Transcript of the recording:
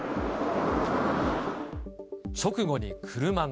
直後に車が。